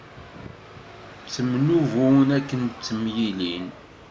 Ttemnubun akken ttemyilin.